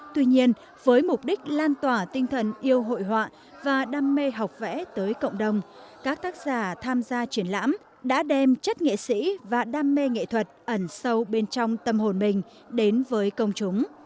tuy nhiên với mục đích lan tỏa tinh thần yêu hội họa và đam mê học vẽ tới cộng đồng các tác giả tham gia triển lãm đã đem chất nghệ sĩ và đam mê nghệ thuật ẩn sâu bên trong tâm hồn mình đến với công chúng